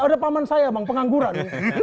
ada paman saya bang pengangguran